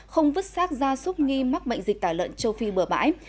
không vứt sát ra xúc nghi mắc bệnh dịch tài lợn châu phi bờ bãi